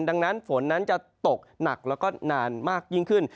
ดังนั้นฝนนั้นจะตกหนักแล้วก็นานมากยิ่งขึ้น